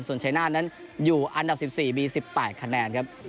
ส่วนชายนาดนั้นอยู่อันดับสิบสี่มีสิบป่ายคะแนนครับ